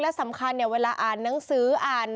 และสำคัญเนี่ยเวลาอ่านหนังสืออ่าน